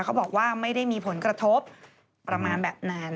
เขาบอกว่าไม่ได้มีผลกระทบประมาณแบบนั้น